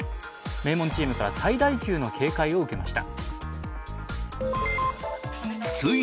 名門チームから最大級の警戒を受けました。